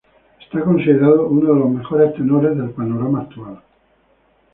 Es considerado uno de los mejores tenores del panorama actual.